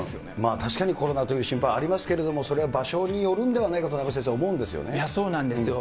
確かにコロナという心配はありますけれども、それは場所によるんではないかと、名越先生、思うんですよね。